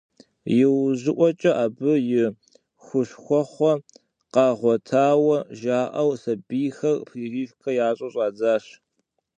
Иужьыӏуэкӏэ абы и хущхуэхъуэ къагъуэтауэ жаӏэу сабийхэр прививкэ ящӏу щӏадзащ.